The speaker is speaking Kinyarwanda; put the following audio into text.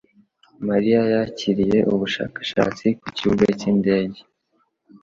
Mariya yakiriye ubushakashatsi ku kibuga cyindege.